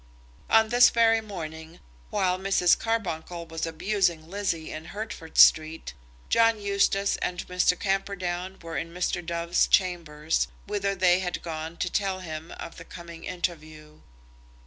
On this very morning, while Mrs. Carbuncle was abusing Lizzie in Hertford Street, John Eustace and Mr. Camperdown were in Mr. Dove's chambers, whither they had gone to tell him of the coming interview.